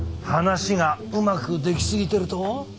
話がうまくでき過ぎてると？